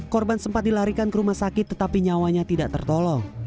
korban sempat dilarikan ke rumah sakit tetapi nyawanya tidak tertolong